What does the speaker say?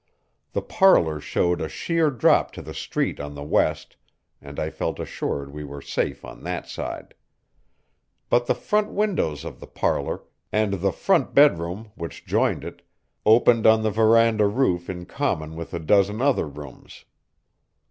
The parlor showed a sheer drop to the street on the west, and I felt assured we were safe on that side. But the front windows of the parlor, and the front bedroom which joined it, opened on the veranda roof in common with a dozen other rooms.